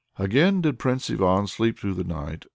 Again did Prince Ivan sleep through the night.